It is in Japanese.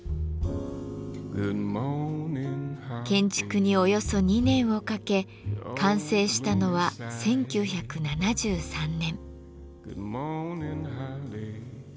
建築におよそ２年をかけ完成したのは１９７３年。